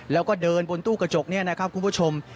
แล้วก็เดินบนตู้กระจกเนี่ยนะครับคุณผู้ชม